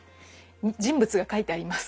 「人物が描いてあります」